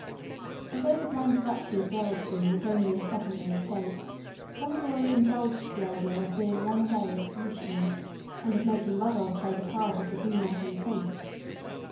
Although the grand duchy of Gerolstein was only a secondary state, Polidori indulged the idea of being one day its Richelieu, and of making Rodolph play the part of the do nothing prince.